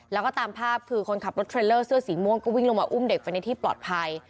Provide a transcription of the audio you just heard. แล้วก็ตามภาพคือคนขับรถเทรลเลอร์เสื้อสีม่วงก็วิ่งลงมาอุ้มเด็กไปในที่ปลอดภัย